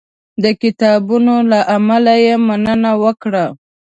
د کتابونو له امله یې مننه وکړه.